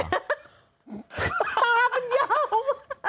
ตามันยาว